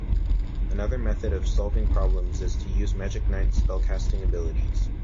Another method of solving problems is to use Magic Knight's spellcasting abilities.